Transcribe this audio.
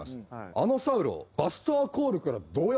あのサウロ。